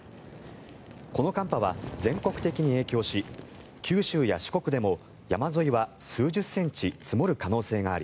この寒波は全国的に影響し九州や四国でも山沿いは数十センチ積もる可能性があり